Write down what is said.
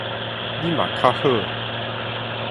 你嘛卡好